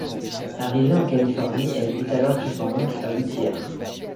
Arrivée en Californie, elle vit alors chez son oncle à Whittier.